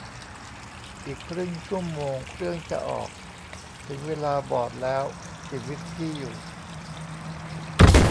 อีกครึ่งชั่วโมงเครื่องจะออก ถึงเวลาบอร์ดแล้วจิบวิสกี้อยู่